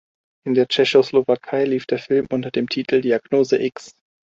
In der Tschechoslowakei lief der Film unter dem Titel "Diagnose X".